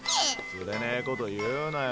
つれねぇこと言うなよ